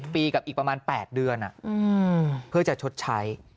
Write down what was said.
ปีกับอีกประมาณ๘เดือนเพื่อจะชดใช้